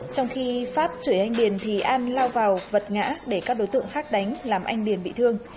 trong khi pháp chửi anh điền thì an lao vào vật ngã để các đối tượng khác đánh làm anh điền bị thương